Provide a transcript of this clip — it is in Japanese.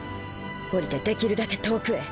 降りてできるだけ遠くへ。